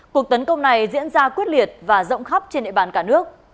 cuộc tấn công này diễn ra quyết liệt và rộng khắp trên địa bàn cả nước